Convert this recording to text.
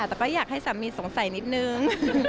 แต่ก็อยากให้สามีสงสัยนิดนึง